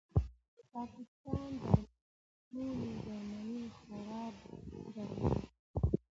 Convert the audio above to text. د پاکستان درمل له ټولو درملو خراب درمل دي